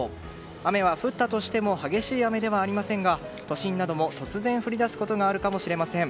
雨は降ったとしても激しい雨ではありませんが都心なども突然降り出すかもしれません。